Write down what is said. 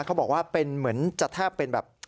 เขาบอกว่าเป็นเหมือนจะแทบเป็นแบบ